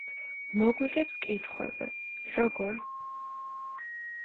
მოგვიგებს კითხვებზე: როგორ?